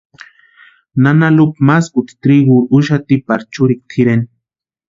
Nana Lupa maskuta triguri úxati para churikwa tʼireni.